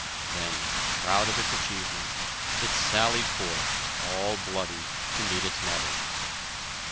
Then, proud of its achievement, it sallied forth, all bloody, to meet its mother.